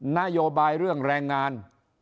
นโยบายเรื่องแรงงาน